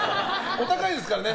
お高いですからね。